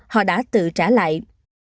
họ đã tự trả lại